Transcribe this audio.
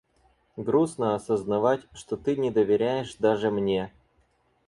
Грустно осознавать, что ты не доверяешь даже мне.